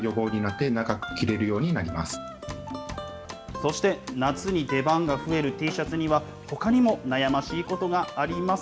そして夏に出番が増えるＴシャツには、ほかにも悩ましいことがあります。